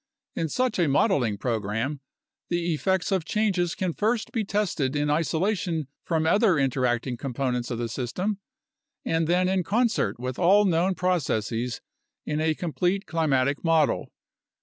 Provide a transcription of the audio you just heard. In such a modeling program, the effects of changes can first be tested in isolation from other interacting components of the system and then in concert with all known processes in a complete climatic model.